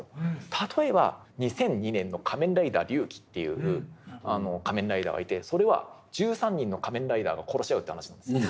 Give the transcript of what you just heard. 例えば２００２年の「仮面ライダー龍騎」っていう仮面ライダーがいてそれは１３人の仮面ライダーが殺し合うって話なんですよ。